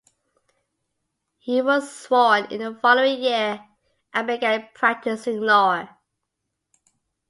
He was sworn in the following year and began practicing law.